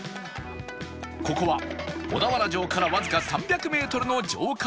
ここは小田原城からわずか３００メートルの城下町